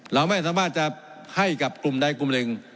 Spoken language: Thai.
เราไม่สามารถจะให้กับกลุ่มใดกลุ่มหนึ่ง